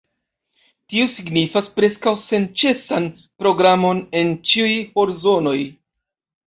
Tio signifas preskaŭ senĉesan programon en ĉiuj horzonoj.